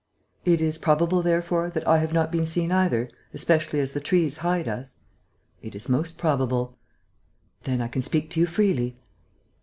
"It is probable, therefore, that I have not been seen either, especially as the trees hide us?" "It is most probable." "Then I can speak to you freely?"